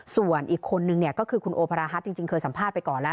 ส่วนอีกคนนึงเนี่ยก็คือคุณโอภารฮัทจริงเคยสัมภาษณ์ไปก่อนแล้ว